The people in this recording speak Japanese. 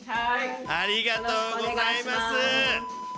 ありがとうございます！